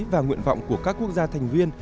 và nguyện vọng của các quốc gia thành viên